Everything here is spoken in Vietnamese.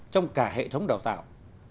trong cả hệ thống đào tạo